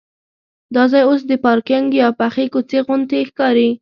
دا ځای اوس د پارکینک یا پخې کوڅې غوندې ښکاري.